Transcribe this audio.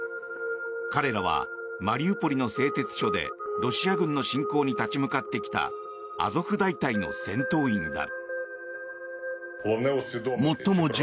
彼らはマリウポリの製鉄所でロシア軍の侵攻に立ち向かってきたアゾフ大隊の戦闘員だ。